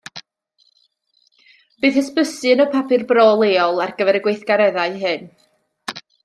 Bydd hysbysu yn y papur bro leol ar gyfer y gweithgareddau hyn